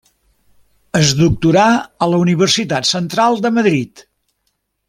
Es doctorà a la Universitat Central de Madrid.